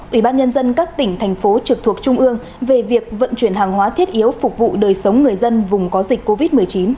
ủy ban nhân dân các tỉnh thành phố trực thuộc trung ương về việc vận chuyển hàng hóa thiết yếu phục vụ đời sống người dân vùng có dịch covid một mươi chín